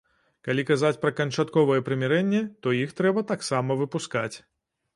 Калі казаць пра канчатковае прымірэнне, то іх трэба таксама выпускаць.